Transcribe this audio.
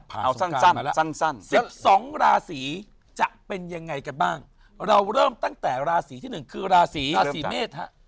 เอาสั้นสั้น๑๒ราศีจะเป็นยังไงกันบ้างเราเริ่มตั้งแต่ราศีที่๑คือราศีเมษฮะ